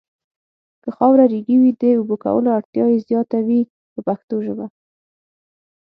که خاوره ریګي وي د اوبو کولو اړتیا یې زیاته وي په پښتو ژبه.